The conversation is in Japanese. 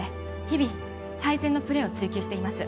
日々最善のプレーを追求しています